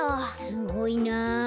すごいな。